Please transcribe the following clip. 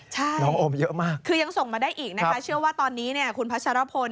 ใช่คือยังส่งมาได้อีกนะคะเชื่อว่าตอนนี้คุณพัชรพล